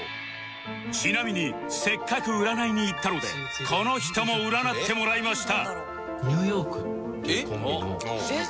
ちなみにせっかく占いに行ったのでこの人も占ってもらいました